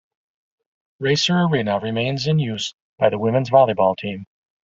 Racer Arena remains in use by the women's volleyball team.